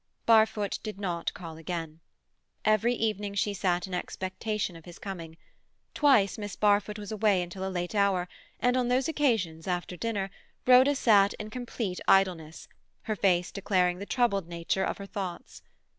Barfoot did not call again. Every evening she sat in expectation of his coming. Twice Miss Barfoot was away until a late hour, and on those occasions, after dinner, Rhoda sat in complete idleness, her face declaring the troubled nature of her thoughts.